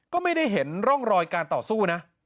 ก็ไม่ได้เห็นร่องรอยการต่อสู้นะ